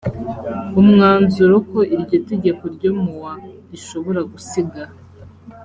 umwanzuro ko iryo tegeko ryo mu wa rishobora gusiga